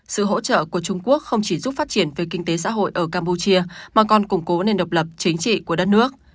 sự hỗ trợ của trung quốc không chỉ giúp phát triển về kinh tế xã hội ở campuchia mà còn củng cố nền độc lập chính trị của đất nước